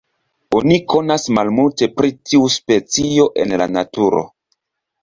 Oni konas malmulte pri tiu specio en la naturo.